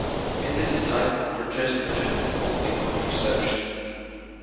It is a type of progestogen only contraception.